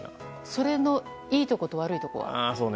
それのいいこと悪いところは？